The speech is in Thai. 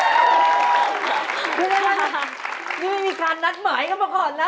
เพราะฉะนั้นนี่ไม่มีความนัดหมายกันมาก่อนนะ